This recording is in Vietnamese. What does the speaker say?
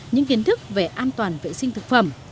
những kiến thức về an toàn vệ sinh thực phẩm